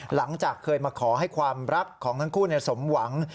หลังจากเคยมาขอให้ความรักของทั้งคู่สมหวัง